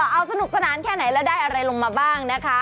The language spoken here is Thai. เอาสนุกสนานแค่ไหนแล้วได้อะไรลงมาบ้างนะคะ